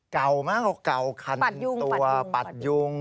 เก่ามากเก่าคันตัวปัดยุงปัดยุง